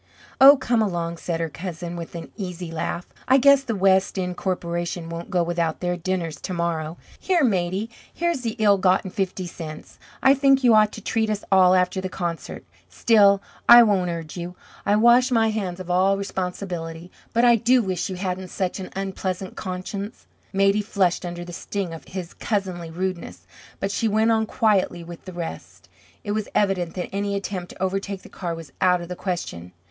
"Oh, come along!" said her cousin, with an easy laugh. "I guess the West End Corporation won't go without their dinners to morrow. Here, Maidie, here's the ill gotten fifty cents. I think you ought to treat us all after the concert; still, I won't urge you. I wash my hands of all responsibility. But I do wish you hadn't such an unpleasant conscience." Maidie flushed under the sting of his cousinly rudeness, but she went on quietly with the rest. It was evident that any attempt to overtake the car was out of the question.